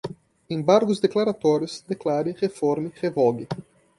embargos declaratórios, declare, reforme, revogue